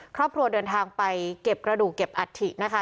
ครอบครัวเดินทางไปเก็บกระดูกเก็บอัฐินะคะ